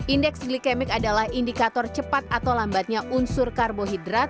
indeks glikemik adalah indikator cepat atau lambatnya unsur karbohidrat